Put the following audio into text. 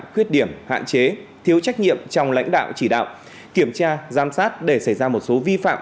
khuyết điểm hạn chế thiếu trách nhiệm trong lãnh đạo chỉ đạo kiểm tra giám sát để xảy ra một số vi phạm